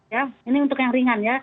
ya ini untuk yang ringan ya